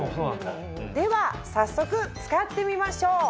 では早速使ってみましょう！